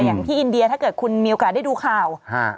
อย่างที่อินเดียถ้าเกิดคุณมีโอกาสได้ดูข่าวฮะ